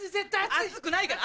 熱くないから。